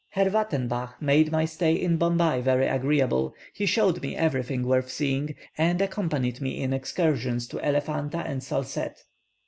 Herr Wattenbach made my stay in Bombay very agreeable; he showed me everything worth seeing, and accompanied me in excursions to Elephanta and Salsette.